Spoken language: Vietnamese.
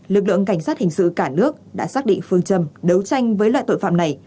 lực lượng cảnh sát hình sự cả nước đã xác định phương châm đấu tranh với loại tội phạm này